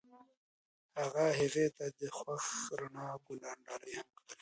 هغه هغې ته د خوښ رڼا ګلان ډالۍ هم کړل.